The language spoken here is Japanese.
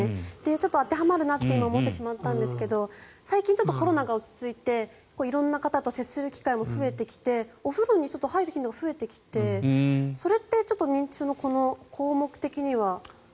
ちょっと当てはまるなって思ってしまったんですが最近ちょっとコロナが落ち着いて色んな方と接する機会も増えてお風呂に入る日が増えてきてそれって認知症の項目的には。